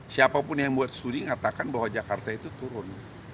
siapapun yang buat studi ngatakan bahwa jakarta itu turun